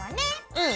うん。